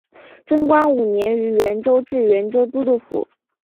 贞观五年于原州置原州都督府。